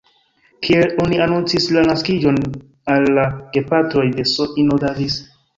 Kiel oni anoncis la naskiĝon al la gepatroj de S-ino Davis?